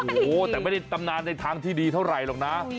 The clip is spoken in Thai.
โอ้โหแต่ไม่ได้ตำนานในทางที่ดีเท่าไหร่หรอกนะ